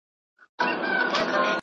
که هر څومره له انسانه سره لوی سي ..